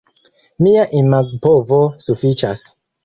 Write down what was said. Mia imagpovo sufiĉas.